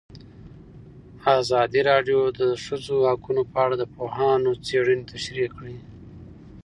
ازادي راډیو د د ښځو حقونه په اړه د پوهانو څېړنې تشریح کړې.